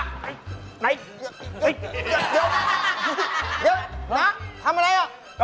เดี๋ยวนักทำอะไรล่ะ